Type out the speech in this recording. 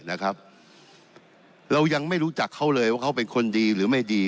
เรายังไม่รู้จักเขาเลยว่าเขาเป็นคนดีหรือไม่ดี